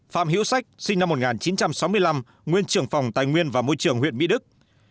một mươi một phạm hiễu sách sinh năm một nghìn chín trăm sáu mươi năm nguyên trưởng phòng tài nguyên và môi trường huyện mỹ đức